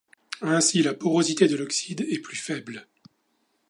Ainsi la porosité de l’oxyde est plus faible.